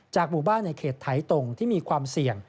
จากบุบ้าในเขตไถ่ตรงที่มีความเสี่ยง